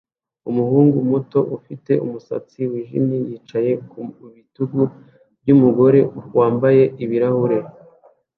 Umuhungu muto ufite umusatsi wijimye yicaye ku bitugu byumugore wambaye ibirahure